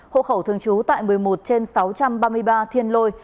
hộ khẩu thường trú tại một mươi một trên sáu trăm ba mươi ba thiên lôi